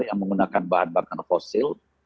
yang menggunakan bahan bakar fosil